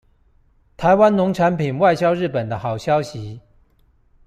臺灣農產品外銷日本的好消息